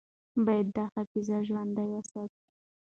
باید دا حافظه ژوندۍ وساتو.